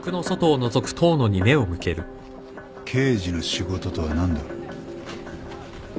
刑事の仕事とは何だ？